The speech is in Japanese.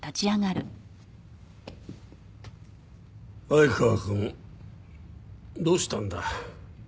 愛川くんどうしたんだ？